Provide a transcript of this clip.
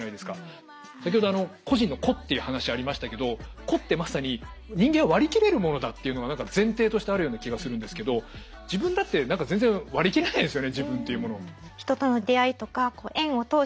先ほど個人の個っていう話ありましたけど個ってまさに人間を割り切れるものだっていうのが何か前提としてあるような気がするんですけどっていう感じですよね。